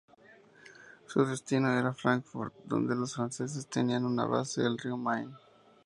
Su destino era Frankfurt donde los franceses tenían una base en el río Main.